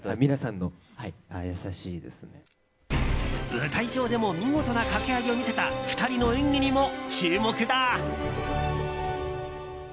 舞台上でも見事な掛け合いを見せた２人の演技にも注目だ。